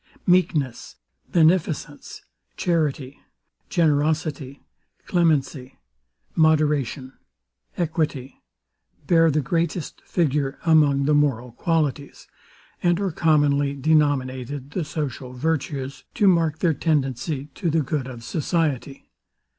Meekness, beneficence, charity, generosity, clemency, moderation, equity bear the greatest figure among the moral qualities, and are commonly denominated the social virtues, to mark their tendency to the good of society.